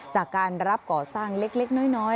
จากการรับก่อสร้างเล็กน้อย